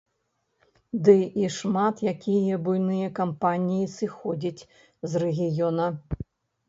Ды і шмат якія буйныя кампаніі сыходзяць з рэгіёна.